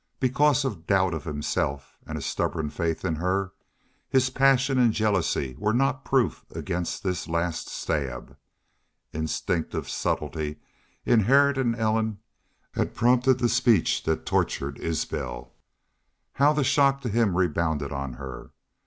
Because of doubt of himself and a stubborn faith in her, his passion and jealousy were not proof against this last stab. Instinctive subtlety inherent in Ellen had prompted the speech that tortured Isbel. How the shock to him rebounded on her!